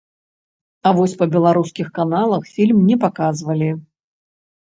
А вось па беларускіх каналах фільм не паказвалі.